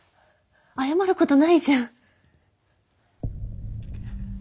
謝ることないじゃん。